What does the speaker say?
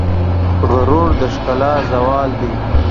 غرور د ښکلا زوال دی.